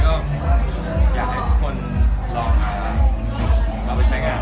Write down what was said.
ตอนนี้อยากให้ทุกคนรอมายทำให้ใช้งาน